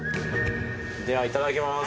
ではいただきます。